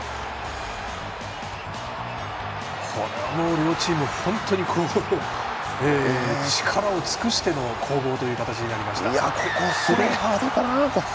両チーム、本当に力を尽くしての攻防となりました。